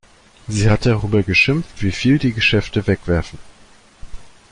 Sie hat darüber geschimpft, wie viel die Geschäfte wegwerfen.